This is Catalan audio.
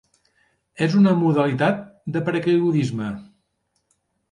És una modalitat del paracaigudisme.